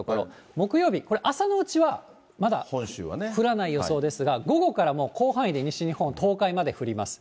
木曜日、これ、朝のうちはまだ降らない予想ですが、午後からも広範囲で西日本、東海まで降ります。